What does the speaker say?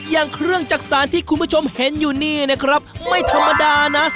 อย่างเครื่องจักษานที่คุณผู้ชมเห็นอยู่นี่นะครับไม่ธรรมดานะ